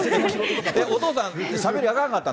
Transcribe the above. お父さん、しゃべりあかんかった？